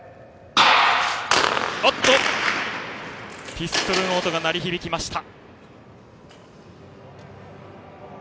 ピストルの音が鳴り響きました。